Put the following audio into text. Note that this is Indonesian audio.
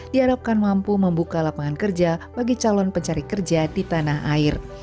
diharapkan mampu membuka lapangan kerja bagi calon pencari kerja di tanah air